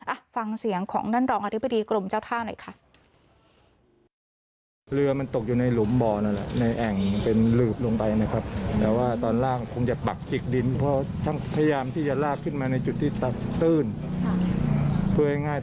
อ่ะฟังเสียงของท่านรองอธิบดีกรมเจ้าท่าหน่อยค่ะ